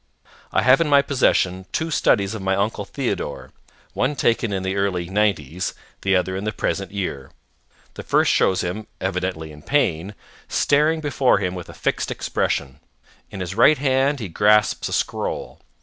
I have in my possession two studies of my Uncle Theodore one taken in the early 'nineties, the other in the present year. The first shows him, evidently in pain, staring before him with a fixed expression. In his right hand he grasps a scroll.